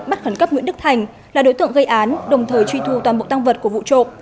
bắt khẩn cấp nguyễn đức thành là đối tượng gây án đồng thời truy thu toàn bộ tăng vật của vụ trộm